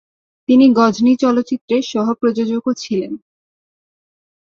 তিনি গজনী চলচ্চিত্রের সহ-প্রযোজকও ছিলেন।